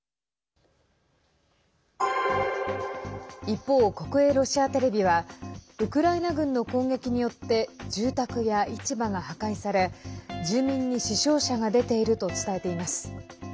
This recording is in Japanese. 一方、国営ロシアテレビはウクライナ軍の攻撃によって住宅や市場が破壊され住民に死傷者が出ていると伝えています。